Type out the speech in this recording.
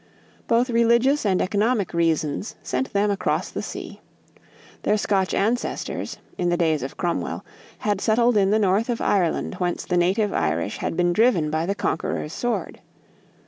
Both religious and economic reasons sent them across the sea. Their Scotch ancestors, in the days of Cromwell, had settled in the north of Ireland whence the native Irish had been driven by the conqueror's sword.